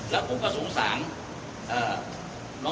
แล้วผมก็สงสาร